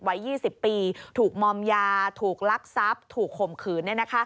ไว้๒๐ปีถูกมอมยาถูกลักษัพถูกข่มขืน